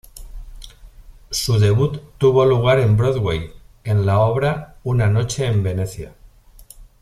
Su debut tuvo lugar en Broadway, en la obra "Una noche en Venecia".